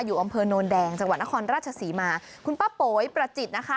อยู่อำเภอโนนแดงจังหวัดนครราชศรีมาคุณป้าโป๋ยประจิตนะคะ